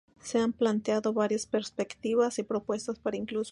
Se han planteado varias perspectivas y propuestas para incluso más parques temáticos.